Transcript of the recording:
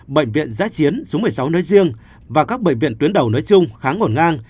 bệnh viện giãi chiến xuống một mươi sáu nơi riêng và các bệnh viện tuyến đầu nơi chung khá ngổn ngang